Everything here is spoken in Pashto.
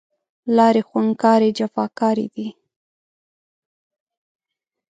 لارې خونکارې، جفاکارې دی